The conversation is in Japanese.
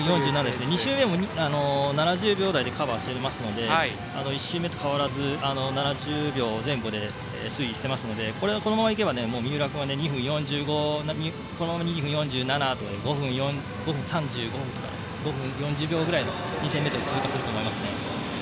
２周目も７０秒台でカバーしていましたので１周目と変わらず、７０秒前後で推移していますのでこのままいけば三浦君は５分４０秒ぐらいで２０００ｍを通過すると思います。